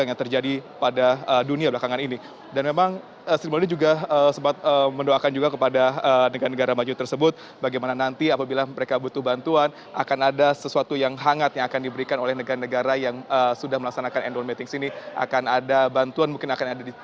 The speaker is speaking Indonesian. lain yang memang mengikuti analogi lain yang memang mengikuti analogi lain yang memang mengikuti analogi lain dan memang lingkungan juga sempat mendoakan juga kepada negara negara maju tersebut bagaimana nanti apabila mereka butuh bantuan akan ada sesuatu yang hangatnya akan diberikan oleh negara negara yang sudah melaksanakan alof invitation akan ada bantuan mungkin akan ada dicapai di sana yang jelas adalah bagaimana harapannya bagaimana bagaimana adanya kerjasama